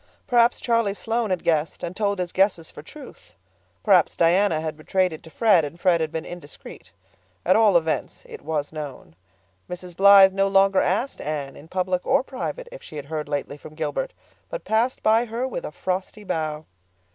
Perhaps Charlie Sloane had guessed and told his guesses for truth. Perhaps Diana had betrayed it to Fred and Fred had been indiscreet. At all events it was known; Mrs. Blythe no longer asked Anne, in public or private, if she had heard lately from Gilbert, but passed her by with a frosty bow.